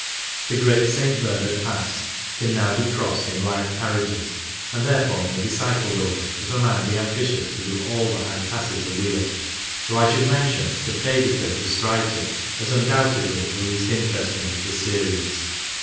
The Great St. Bernard Pass can now be crossed in light carriages, and therefore may be cycled over if a man be ambitious to do all the high passes awheel, though I should mention that Baedeker describes it as " undoubtedly the least interesting of the series."